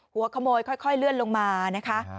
หัวขโมยค่อยเลื่อนลงมานะคะ